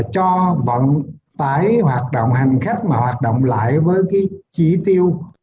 cho vận tải hoạt động hành khách mà hoạt động lại với cái chỉ tiêu